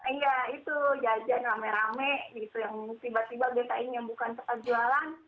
iya itu jajan rame rame gitu yang tiba tiba biasanya bukan sepatu jualan